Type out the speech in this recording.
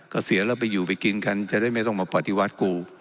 เสียแล้วไปอยู่ไปกินกันจะได้ไม่ต้องมาปฏิวัติกู